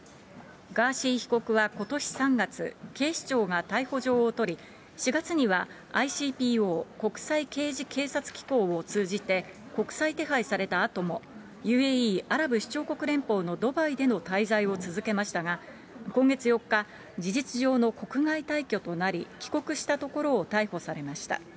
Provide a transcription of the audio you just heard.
ガーシー被告はことし３月、警視庁が逮捕状を取り、４月にはＩＣＰＯ・国際刑事警察機構を通じて、国際手配されたあとも、ＵＡＥ・アラブ首長国連邦のドバイでの滞在を続けましたが、今月４日、事実上の国外退去となり、帰国したところを逮捕されました。